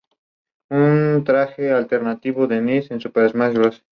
Este mes era el equivalente al mes de "julio" en nuestros días.